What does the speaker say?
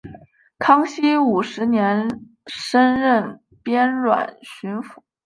康熙五十年升任偏沅巡抚。